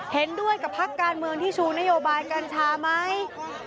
เห็นด้วยกับพักการเมืองที่ชูนโยบายกัญชาไหม